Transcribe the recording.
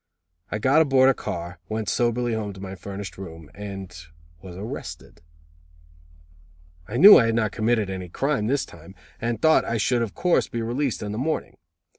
I got aboard a car, went soberly home to my furnished room, and was arrested. I knew I had not committed any crime this time and thought I should of course be released in the morning.